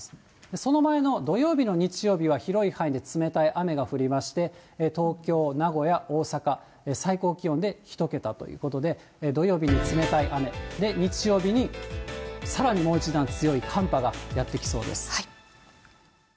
その前の土曜日、日曜日は広い範囲で冷たい雨が降りまして、東京、名古屋、大阪、最高気温で１桁ということで、土曜日に冷たい雨、日曜日にさらにもう一段強い寒波がやって来そうです。